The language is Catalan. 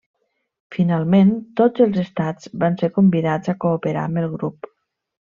Finalment, tots els estats van ser convidats a cooperar amb el grup.